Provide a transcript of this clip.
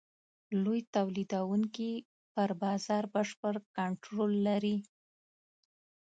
لوی تولیدوونکي پر بازار بشپړ کنټرول لري.